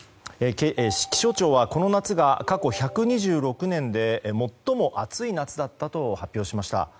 気象庁はこの夏が過去１２６年で最も暑い夏だったと発表しました。